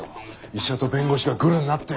医者と弁護士がグルになって。